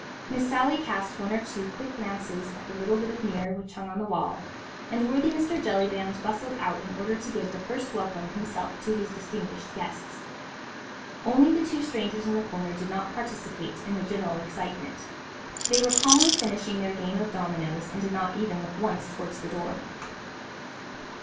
Miss Sally cast one or two quick glances at the little bit of mirror which hung on the wall, and worthy Mr. Jellyband bustled out in order to give the first welcome himself to his distinguished guests. Only the two strangers in the corner did not participate in the general excitement. They were calmly finishing their game of dominoes, and did not even look once towards the door.